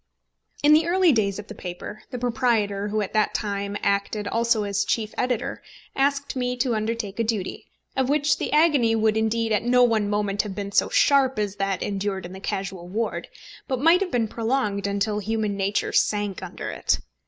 In the early days of the paper, the proprietor, who at that time acted also as chief editor, asked me to undertake a duty, of which the agony would indeed at no one moment have been so sharp as that endured in the casual ward, but might have been prolonged until human nature sank under it.